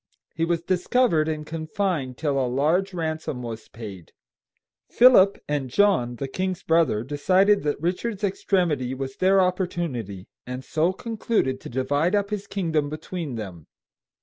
He was discovered and confined till a large ransom was paid. Philip and John, the king's brother, decided that Richard's extremity was their opportunity, and so concluded to divide up his kingdom between them.